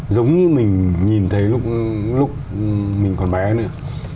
giống như mình nhìn thấy lúc mình còn bé nữa